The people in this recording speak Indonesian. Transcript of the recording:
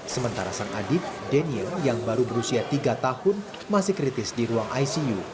sementara sang adik daniel yang baru berusia tiga tahun masih kritis di ruang icu